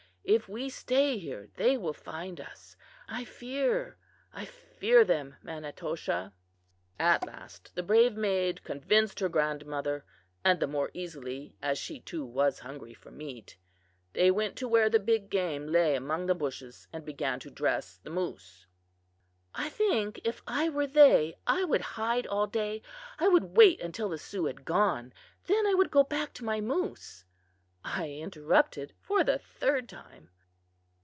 If we stay here they will find us. I fear, I fear them, Manitoshaw!' "At last the brave maid convinced her grandmother, and the more easily as she too was hungry for meat. They went to where the big game lay among the bushes, and began to dress the moose." "I think, if I were they, I would hide all day. I would wait until the Sioux had gone; then I would go back to my moose," I interrupted for the third time.